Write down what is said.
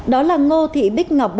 đó là ngô thị bích ngọc bốn mươi một tuổi